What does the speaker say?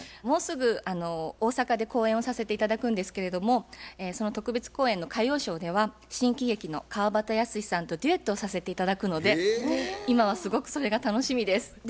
もうすぐ大阪で公演をさせて頂くんですけれどもその特別公演の歌謡ショーでは新喜劇の川畑泰史さんとデュエットをさせて頂くので今はすごくそれが楽しみです。